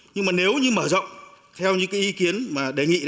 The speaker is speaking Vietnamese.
nhưng mà nếu như mở rộng theo những ý kiến đề nghị